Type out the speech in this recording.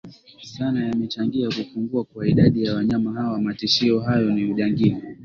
sana yamechangia kupungua kwa idadi ya wanyama hawa Matishio hayo ni ujangili